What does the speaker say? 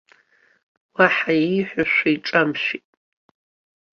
Уаҳа ииҳәаша иҿамшәеит.